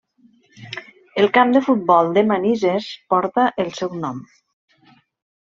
El camp de futbol de Manises porta el seu nom.